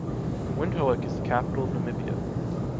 Windhoek is the capital of Namibia.